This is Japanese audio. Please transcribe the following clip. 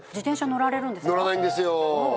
乗らないんですよ